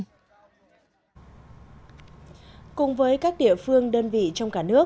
điều này cũng đối với các địa phương đơn vị trong cả nước